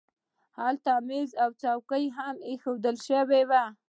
هلته مېز او څوکۍ هم اېښودل شوي وو